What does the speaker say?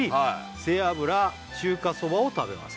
「背脂中華そばを食べます」